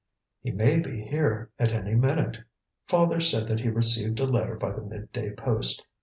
"He may be here at any minute. Father said that he received a letter by the mid day post.